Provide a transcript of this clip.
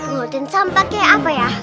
ngepelin sampah kayak apa ya